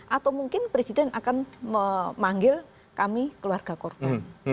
atau mungkin presiden akan memanggil kami keluarga korban